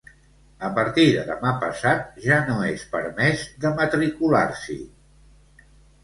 A partir de demà passat ja no és permès de matricular-s'hi.